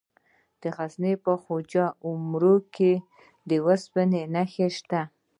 د غزني په خواجه عمري کې د اوسپنې نښې شته.